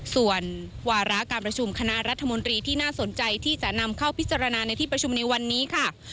ส่วนวาระการประชุมคณะรัฐมนตรีที่น่าสนใจที่จะนำเข้าพิจารณาในที่ประชุมในวันนี้ค่ะ